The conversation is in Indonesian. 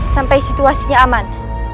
sampai situasinya aman